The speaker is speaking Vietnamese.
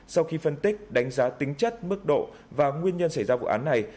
sau khi phân tích đánh giá tính chất mức độ và nguyên nhân xảy ra vụ án này